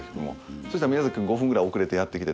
そしたら宮崎くん５分くらい遅れてやってきて。